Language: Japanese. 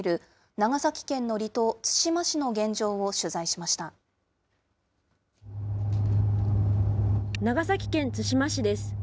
長崎県津島市です。